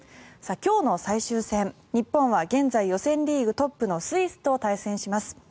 今日の最終戦、日本は現在予選リーグトップのスイスと対戦します。